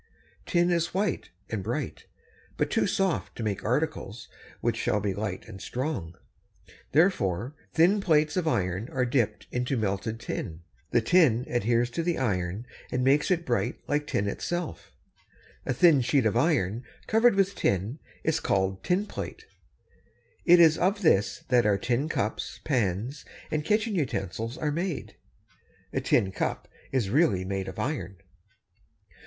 Tin is white and bright, but too soft to make articles which shall be light and strong. Therefore, thin plates of iron are dipped into melted tin. The tin adheres to the iron and makes it bright like tin itself. A thin sheet of iron, covered with tin, is called tin plate. It is of this that our tin cups, pans, and kitchen utensils are made. A tin cup is really made of iron.